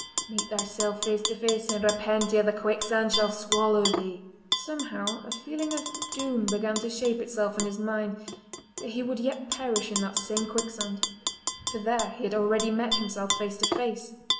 Meet thyself face to face, and repent ere the quicksand shall swallow thee!" Somehow a feeling of doom began to shape itself in his mind that he would yet perish in that same quicksand, for there he had already met himself face to face.